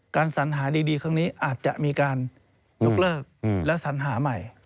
สัญหาดีครั้งนี้อาจจะมีการยกเลิกและสัญหาใหม่